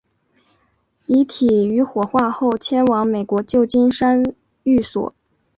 遗体于火化后迁往美国旧金山寓所。